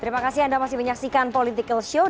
terima kasih anda masih menyaksikan political show